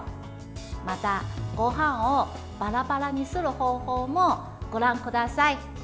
また、ごはんをパラパラにする方法もご覧ください。